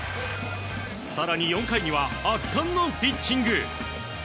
更に４回には圧巻のピッチング。